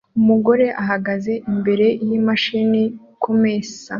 Umugore uhagaze imbere yimashini kumesa